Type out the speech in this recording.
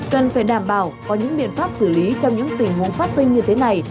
cần phải đảm bảo có những biện pháp xử lý trong những tình huống phát sinh như thế này